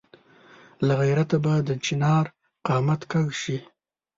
له غیرته به د چنار قامت کږ شي.